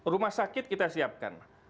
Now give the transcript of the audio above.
rumah sakit kita siapkan